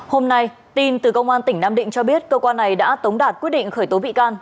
hôm nay tin từ công an tỉnh nam định cho biết cơ quan này đã tống đạt quyết định khởi tố bị can